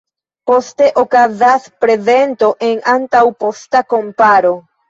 Poste okazas prezento en antaŭ-posta komparo.